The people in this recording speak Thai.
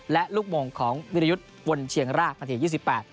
และลูกโมงของวิรยุทธ์วนเชียงรากนาที๒๘